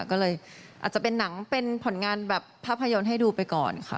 ก็เลยอาจจะเป็นหนังเป็นผลงานแบบภาพยนตร์ให้ดูไปก่อนค่ะ